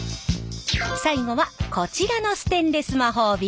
最後はこちらのステンレス魔法瓶。